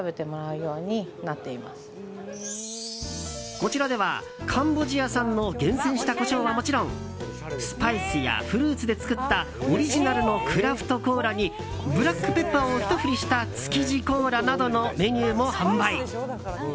こちらではカンボジア産の厳選したコショウはもちろんスパイスやフルーツで作ったオリジナルのクラフトコーラにブラックペッパーをひと振りした築地コーラなどのメニューも販売。